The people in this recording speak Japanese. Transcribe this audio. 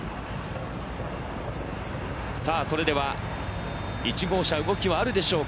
さぁそれでは１号車、動きはあるでしょうか？